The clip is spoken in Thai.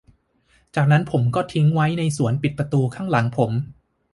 จากนั้นผมก็ทิ้งไว้ในสวนปิดประตูข้างหลังผม